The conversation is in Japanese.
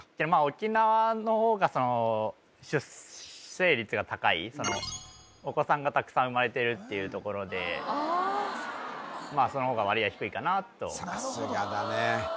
まあ沖縄の方がその出生率が高いそのお子さんがたくさん生まれてるっていうところでまあその方が割合低いかなとさすがだね